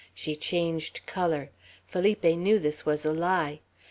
She changed color. Felipe knew this was a lie.